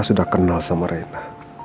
sudah kenal sama rena